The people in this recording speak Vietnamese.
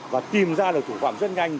và tìm ra được chủ phạm rất nhanh